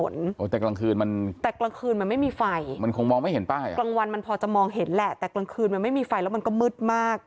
ใช่ค่ะกลางวันมันพอจะมองเห็นแหละแต่กลางคืนไม่มีไฟแล้วมันก็มืดมาก